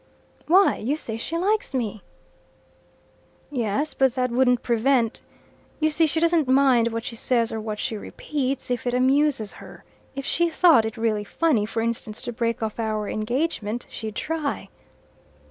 "Why, you say she likes me." "Yes, but that wouldn't prevent you see she doesn't mind what she says or what she repeats if it amuses her. If she thought it really funny, for instance, to break off our engagement, she'd try."